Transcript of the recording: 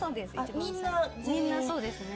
みんなそうですね。